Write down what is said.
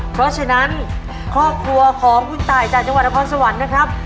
เพราะฉะนั้นครอบครัวของคุณตายจากจังหวัดนครสวรรค์นะครับ